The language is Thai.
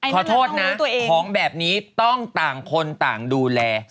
ขอโทษนะของแบบนี้ต้องต่างคนต่างดูแล